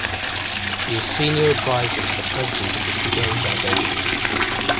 He is Senior Advisor to the President of the Trudeau Foundation.